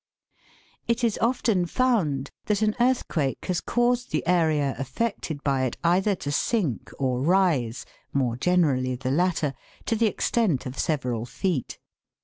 It is often found that an earthquake has caused the area affected by it either to sink or rise, more generally the latter, to the extent of several feet.